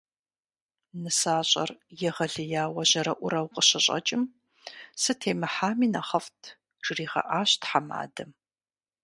Нысащӏэр егъэлеяуэ жьэрэӏурэу къыщыщӏэкӏым, «сытемыхьами нэхъыфӏт» жригъэӏащ тхьэмадэм.